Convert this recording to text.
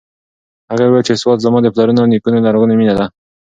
هغې وویل چې سوات زما د پلرونو او نیکونو لرغونې مېنه ده.